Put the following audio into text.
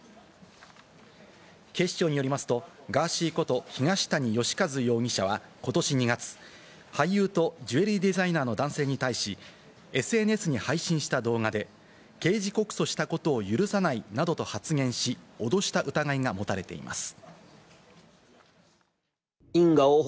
警視庁によりますと、ガーシーこと東谷義和容疑者は、ことし２月、俳優とジュエリーデザイナーの男性に対し、ＳＮＳに配信した動画で、刑事告訴したことを許さないなどと発言し、脅した疑いが持たれています。